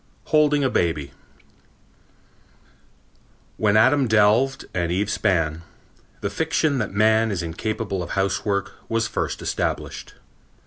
Holding a Baby When Adam delved and Eve span, the fiction that man is incapable of housework was first established.